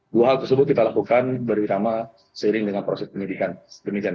dua hal tersebut kita lakukan bersama seiring dengan proses penyelidikan